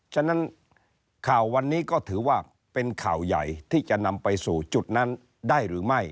ฉะนั้นข่าววันนี้ก็ถือว่าเป็นข่าวใหญ่ที่จะนำไปสู่จุดนั้นได้หรือไม่